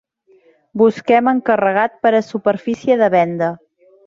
Busquem encarregat per a superfície de venda.